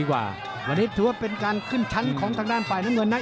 วันนี้ถือว่าเป็นการขึ้นชั้นของทางด้านฝ่ายน้ำเงินนะ